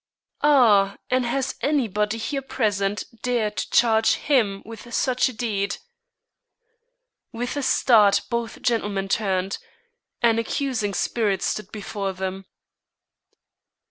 "Ah, and has anybody here present dared to charge him with such a deed!" With a start both gentlemen turned; an accusing spirit stood before them.